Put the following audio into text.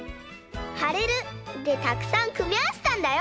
「はれる」でたくさんくみあわせたんだよ！